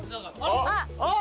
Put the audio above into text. あっ！